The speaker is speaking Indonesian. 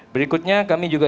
berikutnya kami juga